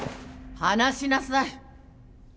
・離しなさい。